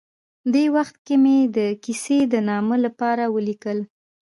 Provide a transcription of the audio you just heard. دې وخت کې مې د کیسې د نامه لپاره ولیکل.